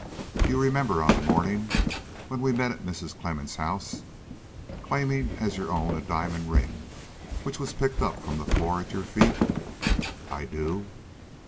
You remember, on the morning when we met at Mrs. Clemmens' house, claiming as your own a diamond ring which was picked up from the floor at your feet?" "I do."